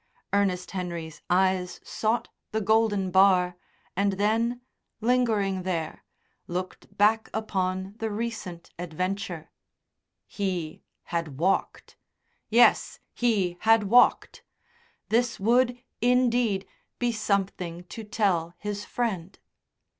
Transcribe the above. Ernest Henry's eyes sought the golden bar, and then, lingering there, looked back upon the recent adventure. He had walked; yes, he had walked. This would, indeed, be something to tell his Friend.